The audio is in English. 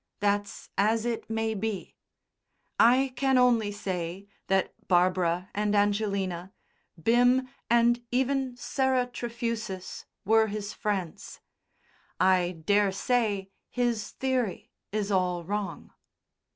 That's as it may be. I can only say that Barbara and Angelina, Bim and even Sarah Trefusis were his friends. I daresay his theory is all wrong.